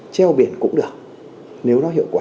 treo biển cũng được nếu nó hiệu quả